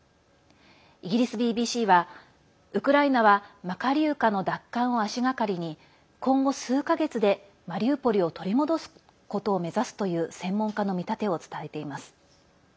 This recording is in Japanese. イギリスＢＢＣはウクライナはマカリウカの奪還を足がかりに今後、数か月でマリウポリを取り戻すことを目指すという専門家の見立てを伝えています。